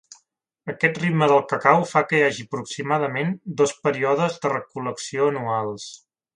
Aquest ritme del cacau fa que hi hagi aproximadament dos períodes de recol·lecció anuals.